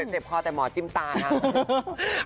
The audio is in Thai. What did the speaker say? เจ็บคอแต่หมอจิ้มตาครับ